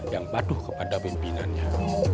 yang patuh kepada pimpinannya